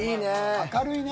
明るいね。